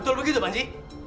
betul begitu pak ji